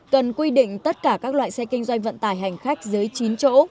cần quy định tất cả các loại xe kinh doanh vận tải hành khách dưới chín chỗ